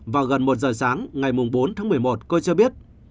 vào gần một giờ sáng ngày bốn tháng một mươi một cô cho biết